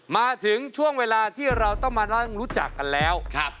มาถึงช่วงเวลาที่เราต้องมานั่งรู้จักกันแล้ว